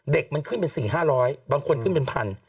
เด็กมันขึ้นเป็น๔๕๐๐บางคนขึ้นเป็น๑๐๐